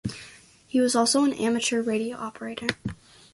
He was also an Amateur Radio Operator.